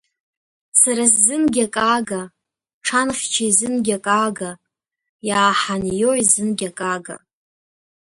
Сара сзынгьы ак аага, ҽанхьча изынгьы ак аага, иааҳанио изынгьы ак аага!